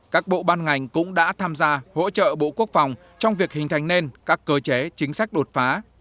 các bộ ban ngành cũng đã tham gia hỗ trợ bộ quốc phòng trong việc hình thành nên các cơ chế chính sách đột phá